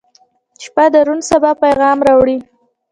• شپه د روڼ سبا پیغام راوړي.